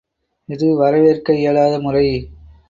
இது வரவேற்க இயலாத முறை.